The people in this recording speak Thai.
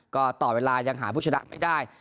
ก็ต่อเวลายังหาผู้ชนะไม่ได้